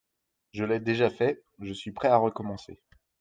Je l'ai déjà fait, je suis prêt à recommencer.